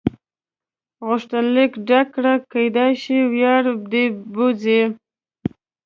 غوښتنلیک ډک کړه کېدای شي وړیا دې بوځي.